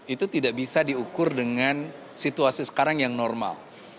itu tidak bisa diukur dengan situasi sekarang yang normal